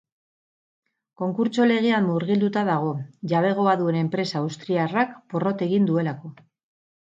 Konkurtso legean murgilduta dago, jabegoa duen enpresa austriarrak porrot egin duelako.